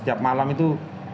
tiap malam itu